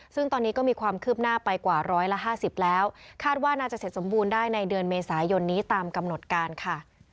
ซึ่งตอนนี้ก็มีความคืบหน้าไปกว่าร้อยละ๕๐แล้วคาดว่าน่าจะเสร็จสมบูรณ์ได้ในเดือนเมษายนนี้ตามกำหนดการค่ะ